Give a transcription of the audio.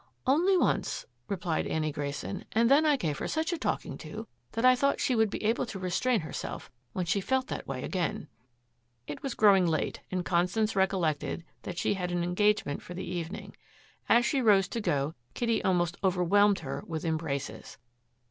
"Only once," replied Annie Grayson, "and then I gave her such a talking to that I thought she would be able to restrain herself when she felt that way again." It was growing late and Constance recollected that she had an engagement for the evening. As she rose to go Kitty almost overwhelmed her with embraces.